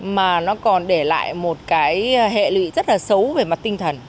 mà nó còn để lại một cái hệ lụy rất là xấu về mặt tinh thần